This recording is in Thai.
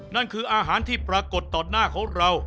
นั่นคืออาหารที่ปรากฏต่อหน้าของเรา